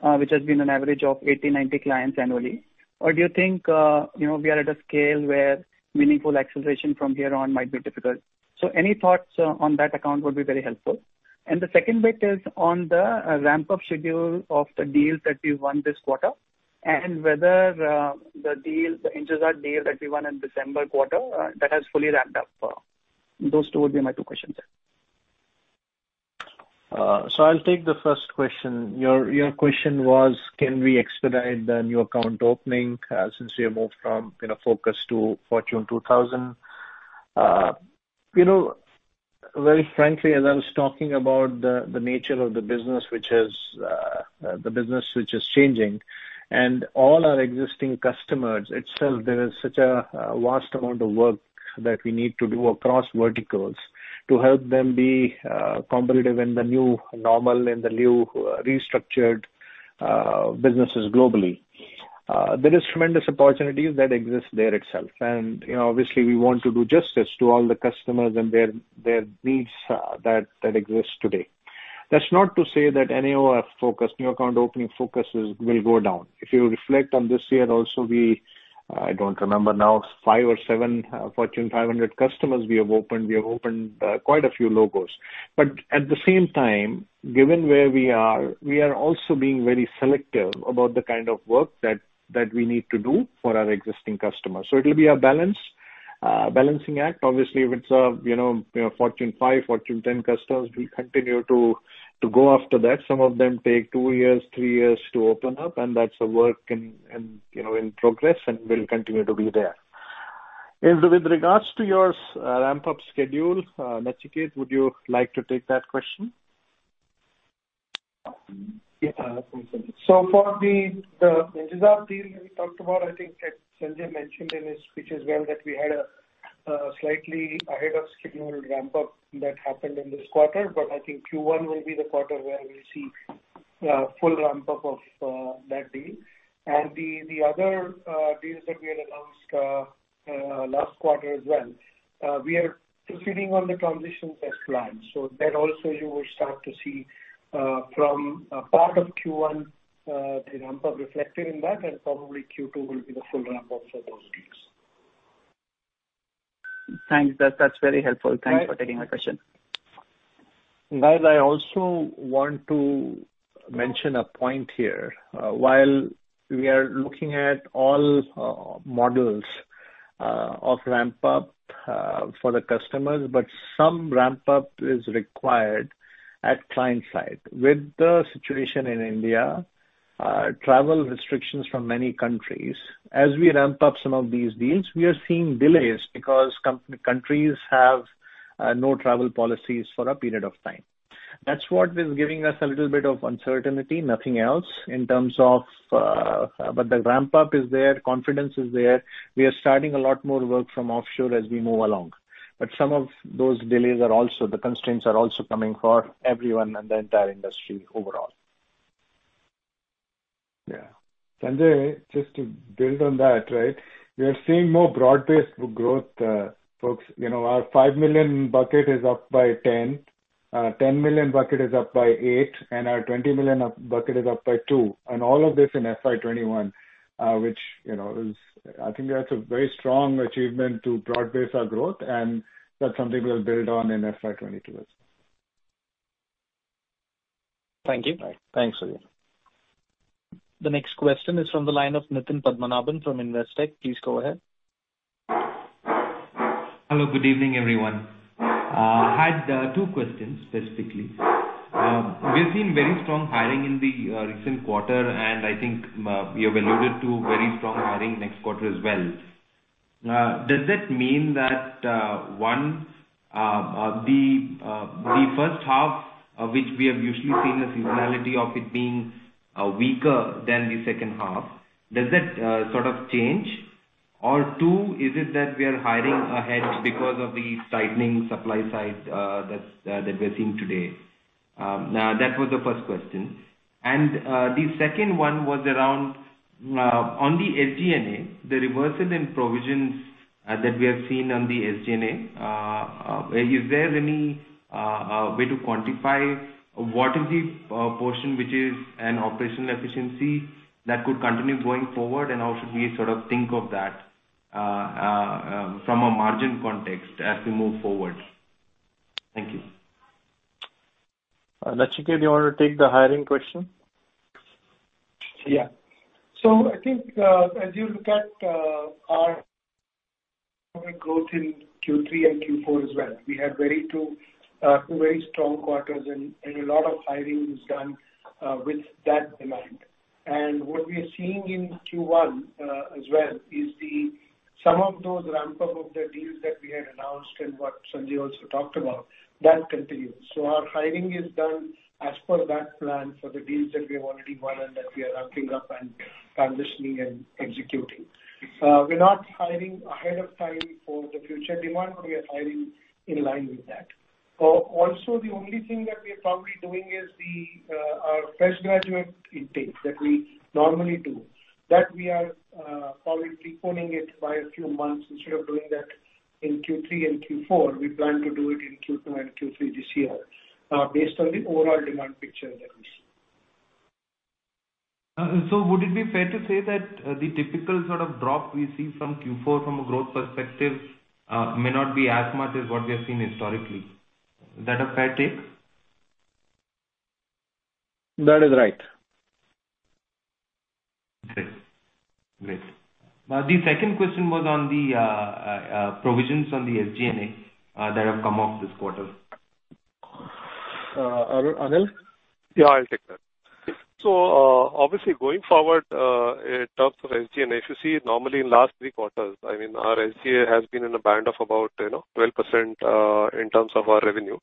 which has been an average of 80, 90 clients annually? Do you think we are at a scale where meaningful acceleration from here on might be difficult? Any thoughts on that account would be very helpful. The second bit is on the ramp-up schedule of the deals that we've won this quarter, and whether the Injazat deal that we won in December quarter, that has fully ramped up. Those two would be my two questions. I'll take the first question. Your question was, can we expedite the new account opening, since we have moved from focus to Fortune 2,000? Very frankly, as I was talking about the nature of the business, which is changing, and all our existing customers itself, there is such a vast amount of work that we need to do across verticals to help them be competitive in the new normal, in the new restructured businesses globally. There is tremendous opportunities that exist there itself. Obviously we want to do justice to all the customers and their needs that exist today. That's not to say that any of our new account opening focuses will go down. If you reflect on this year also, we, I don't remember now, five or seven Fortune 500 customers we have opened. We have opened quite a few logos. At the same time, given where we are, we are also being very selective about the kind of work that we need to do for our existing customers. It'll be a balancing act. Obviously, if it's Fortune 5, Fortune 10 customers, we continue to go after that. Some of them take two years, three years to open up, and that's a work in progress and will continue to be there. With regards to your ramp-up schedule, Nachiket, would you like to take that question? For the Injazat deal that we talked about, I think that Sanjay mentioned in his speeches well that we had a slightly ahead of schedule ramp-up that happened in this quarter, but I think Q1 will be the quarter where we'll see full ramp-up of that deal. The other deals that we had announced last quarter as well, we are proceeding on the transition test plans. That also you will start to see from part of Q1, the ramp-up reflected in that, and probably Q2 will be the full ramp-up for those deals. Thanks. That's very helpful. Thanks for taking my question. Guys, I also want to mention a point here. While we are looking at all models of ramp-up for the customers, but some ramp-up is required at client site. With the situation in India, travel restrictions from many countries, as we ramp up some of these deals, we are seeing delays because countries have no travel policies for a period of time. That's what is giving us a little bit of uncertainty, nothing else. The ramp-up is there, confidence is there. We are starting a lot more work from offshore as we move along. Some of those delays are also the constraints are also coming for everyone and the entire industry overall. Yeah. Sanjay, just to build on that. We are seeing more broad-based growth, folks. Our $5 million bucket is up by 10, $10 million bucket is up by 8, and our $20 million bucket is up by 2 and all of this in FY21. Which I think that's a very strong achievement to broad base our growth, and that's something we'll build on in FY22 as well. Thank you. Thanks, Sulabh. The next question is from the line of Nitin Padmanabhan from Investec. Please go ahead. Hello, good evening, everyone. I had two questions, specifically. We've seen very strong hiring in the recent quarter, and I think you have alluded to very strong hiring next quarter as well. Does that mean that, one, the first half, which we have usually seen a seasonality of it being weaker than the second half, does that sort of change? Or two, is it that we are hiring ahead because of the tightening supply side that we're seeing today? That was the first question. The second one was around on the SG&A, the reversal in provisions that we have seen on the SG&A, is there any way to quantify what is the portion which is an operational efficiency that could continue going forward, and how should we sort of think of that from a margin context as we move forward? Thank you. Nachiket, do you want to take the hiring question? Yeah. I think as you look at our growth in Q3 and Q4 as well, we had two very strong quarters and a lot of hiring was done with that demand. What we are seeing in Q1 as well is some of those ramp-up of the deals that we had announced and what Sanjay also talked about, that continues. Our hiring is done as per that plan for the deals that we have already won and that we are ramping up and transitioning and executing. We're not hiring ahead of time for the future demand, but we are hiring in line with that. The only thing that we are probably doing is our fresh graduate intake that we normally do. That we are probably preponing it by a few months. Instead of doing that in Q3 and Q4, we plan to do it in Q2 and Q3 this year based on the overall demand picture that we see. Would it be fair to say that the typical sort of drop we see from Q4 from a growth perspective may not be as much as what we have seen historically? Is that a fair take? That is right. Okay, great. The second question was on the provisions on the SG&A that have come off this quarter. Anil? Yeah, I'll take that. Obviously going forward, in terms of SG&A, if you see normally in last three quarters, our SG&A has been in a band of about 12% in terms of our revenue.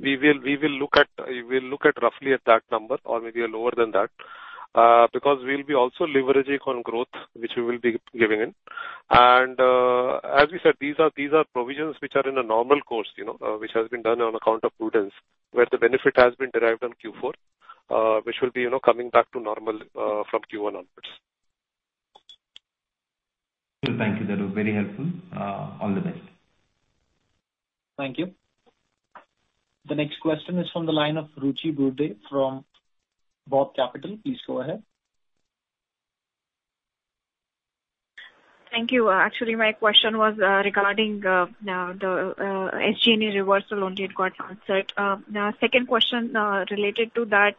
We will look roughly at that number or maybe lower than that because we'll be also leveraging on growth which we will be giving in. As we said, these are provisions which are in a normal course which has been done on account of prudence, where the benefit has been derived on Q4, which will be coming back to normal from Q1 onwards. Cool, thank you. That was very helpful. All the best. Thank you. The next question is from the line of Ruchi Burde from BOB Capital. Please go ahead. Thank you. Actually, my question was regarding the SG&A reversal, already got answered. Second question related to that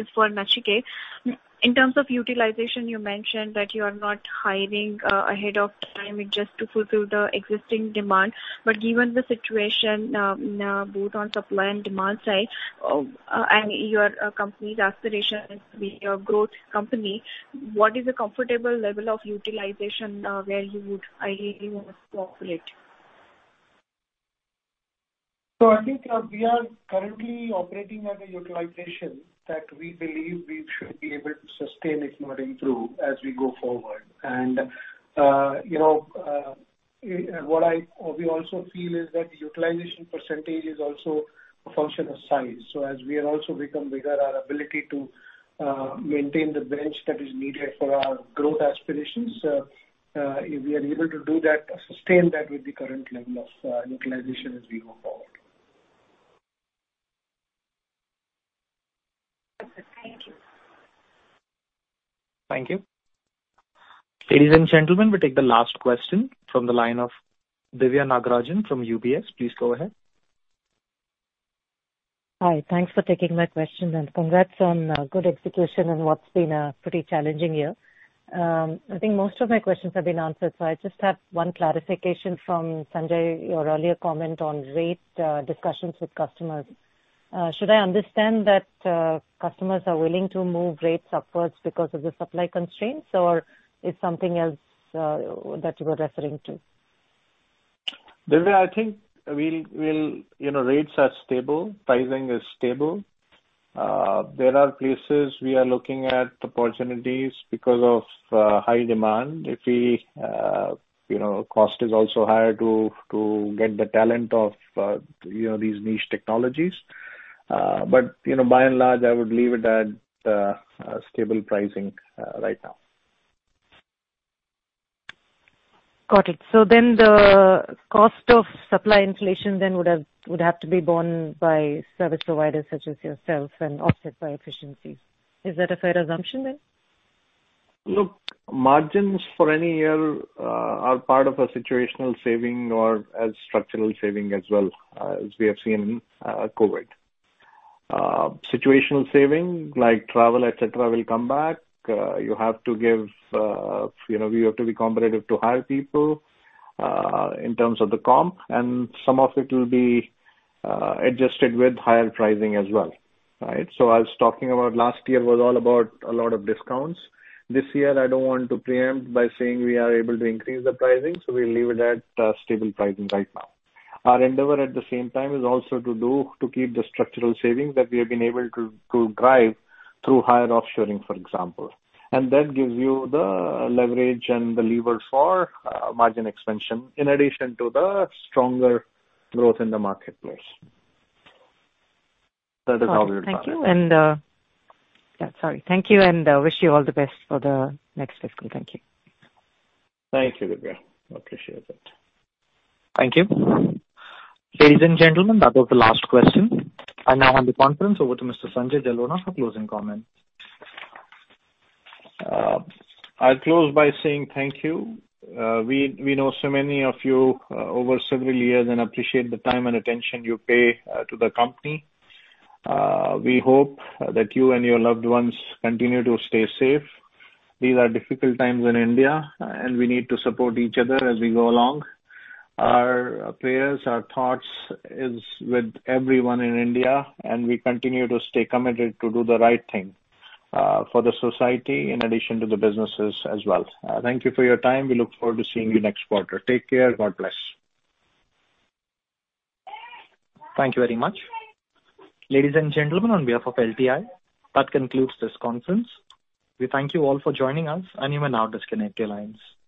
is for Nachiket. In terms of utilization, you mentioned that you are not hiring ahead of time, just to fulfill the existing demand. Given the situation both on supply and demand side, and your company's aspiration is to be a growth company, what is a comfortable level of utilization where you would ideally want to populate? I think we are currently operating at a utilization that we believe we should be able to sustain if not improve as we go forward. We also feel is that utilization percentage is also a function of size. As we also become bigger, our ability to maintain the bench that is needed for our growth aspirations, if we are able to sustain that with the current level of utilization as we go forward. Okay, thank you. Thank you. Ladies and gentlemen, we'll take the last question from the line of Diviya Nagarajan from UBS. Please go ahead. Hi, thanks for taking my question and congrats on good execution in what's been a pretty challenging year. I think most of my questions have been answered, so I just have one clarification from Sanjay, your earlier comment on rate discussions with customers. Should I understand that customers are willing to move rates upwards because of the supply constraints, or it's something else that you were referring to? Diviya, I think rates are stable, pricing is stable. There are places we are looking at opportunities because of high demand. Cost is also higher to get the talent of these niche technologies. By and large, I would leave it at stable pricing right now. Got it. The cost of supply inflation then would have to be borne by service providers such as yourself and offset by efficiencies. Is that a fair assumption then? Look, margins for any year are part of a situational saving or a structural saving as well as we have seen in COVID-19. Situational saving like travel, et cetera, will come back. You have to be competitive to hire people in terms of the comp, and some of it will be adjusted with higher pricing as well. Right? I was talking about last year was all about a lot of discounts. This year, I don't want to preempt by saying we are able to increase the pricing, so we'll leave it at stable pricing right now. Our endeavor at the same time is also to keep the structural savings that we have been able to drive through higher offshoring, for example. That gives you the leverage and the lever for margin expansion in addition to the stronger growth in the marketplace. That is how we look at it. Got it. Thank you, and wish you all the best for the next fiscal. Thank you. Thank you, Diviya. Appreciate it. Thank you. Ladies and gentlemen, that was the last question. I now hand the conference over to Mr. Sanjay Jalona for closing comments. I'll close by saying thank you. We know so many of you over several years and appreciate the time and attention you pay to the company. We hope that you and your loved ones continue to stay safe. These are difficult times in India, and we need to support each other as we go along. Our prayers, our thoughts is with everyone in India, and we continue to stay committed to do the right thing for the society in addition to the businesses as well. Thank you for your time. We look forward to seeing you next quarter. Take care. God bless. Thank you very much. Ladies and gentlemen, on behalf of LTI, that concludes this conference. We thank you all for joining us, and you may now disconnect your lines.